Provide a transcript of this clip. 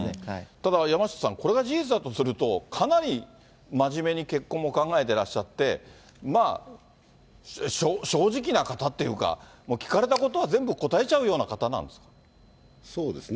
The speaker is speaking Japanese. ただ山下さん、これが事実だとすると、かなり真面目に結婚も考えてらっしゃって、正直な方っていうか、聞かれたことは全部答そうですね。